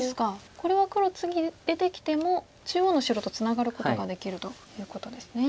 これは黒次出てきても中央の白とツナがることができるということですね。